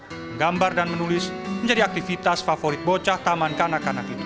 ya tampak ceria menggambar dan menulis menjadi aktivitas favorit bocah taman kanak kanak itu